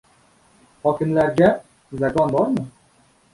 Hokimlarga «zakon» bormi?